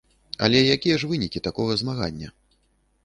Але якія ж вынікі такога змагання?